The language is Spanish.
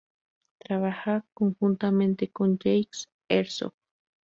Trabaja conjuntamente con Jacques Herzog.